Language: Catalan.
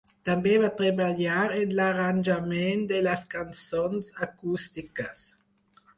També va treballar en l'arranjament de les cançons acústiques.